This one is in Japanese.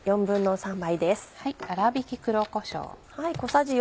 粗びき黒こしょう。